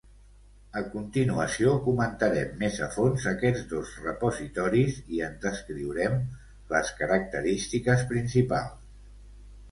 A continuació comentarem més a fons aquests dos repositoris i en descriurem les característiques principals.